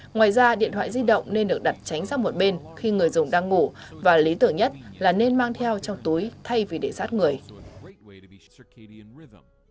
ngoài ra điện thoại di động nên được đặt tránh sang một bên khi người dùng đang ngủ và lý tưởng nhất là nên mang theo trong túi thay vì để sát người